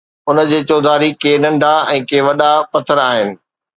ان جي چوڌاري ڪي ننڍا ۽ ڪي وڏا پٿر آهن